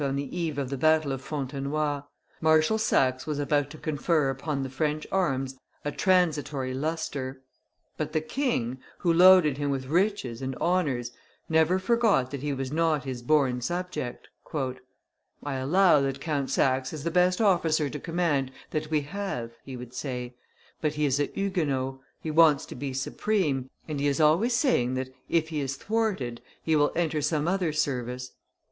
on the eve of the battle of Fontenoy Marshal Saxe was about to confer upon the French arms a transitory lustre; but the king, who loaded him with riches and honors, never forgot that he was not his born subject. "I allow that Count Saxe is the best officer to command that we have," he would say; "but he is a Huguenot, he wants to be supreme, and he is always saying that, if he is thwarted, he will enter some other service.